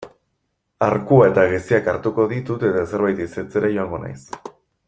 Arkua eta geziak hartuko ditut eta zerbait ehizatzera joango naiz.